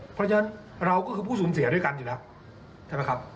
เพราะฉะนั้นเราก็คือผู้สูญเสียด้วยกันอยู่แล้วใช่ไหมครับ